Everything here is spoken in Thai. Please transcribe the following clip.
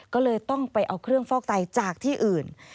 ก็เลยต้องไปเอาเครื่องฟอกไตจากที่อื่น